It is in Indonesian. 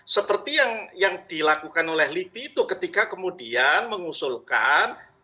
seperti yang dilakukan oleh lipi itu ketika kemudian mengusulkan